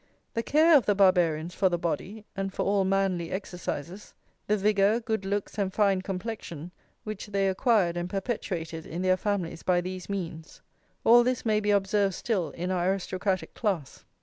The care of the Barbarians for the body, and for all manly exercises; the vigour, good looks, and fine complexion which they acquired and perpetuated in their families by these means, all this may be observed still in our aristocratic class.